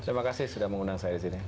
terima kasih sudah mengundang saya disini